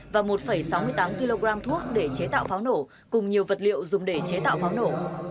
và một sáu mươi tám kg thuốc để chế tạo pháo nổ cùng nhiều vật liệu dùng để chế tạo pháo nổ